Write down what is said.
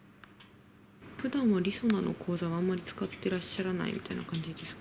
普段はりそなの口座はあんまり使ってらっしゃらないみたいな感じですか。